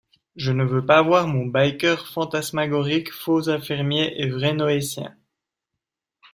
Je ne veux pas voir mon biker fantasmagorique, faux infirmier et vrai Noétien.